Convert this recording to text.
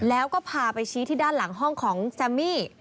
แล้วก็พาไปชี้ที่ด้านหลังห้องของแจมมี่